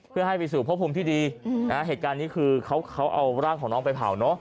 เพื่อให้ไปสู่พระภูมิที่ดีนะฮะเหตุการณ์นี้คือเขาเอาร่างของน้องไปเผาเนอะ